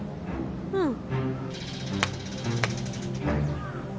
うん。